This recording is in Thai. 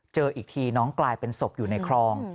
เจออีกทีน้องกลายเป็นศพอยู่ในคลอง